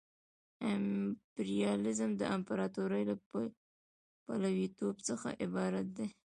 امپریالیزم د امپراطورۍ له پلویتوب څخه عبارت دی